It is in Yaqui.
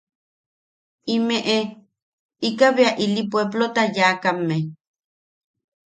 Imeʼe ika bea ili pueplota yaakamme.